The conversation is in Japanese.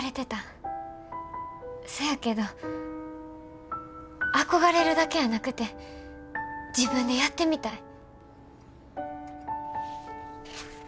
そやけど憧れるだけやなくて自分でやってみたい。